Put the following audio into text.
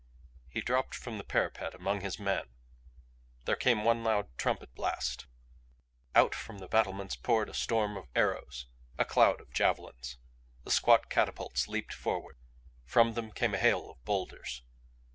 He dropped from the parapet among his men. There came one loud trumpet blast. Out from the battlements poured a storm of arrows, a cloud of javelins. The squat catapults leaped forward. From them came a hail of boulders.